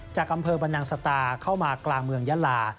จากอำเภอบรรนังสตาเข้ามากลางเมืองยาลา